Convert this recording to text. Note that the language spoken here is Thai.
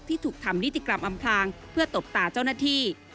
ถูกทำนิติกรรมอำพลางเพื่อตบตาเจ้าหน้าที่